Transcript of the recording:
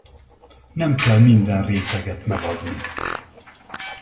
Nem kell minden réteget megadni.